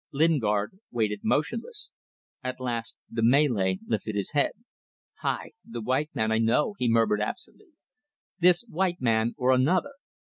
Lingard waited motionless. At last the Malay lifted his head. "Hai! The white man. I know!" he murmured absently. "This white man or another.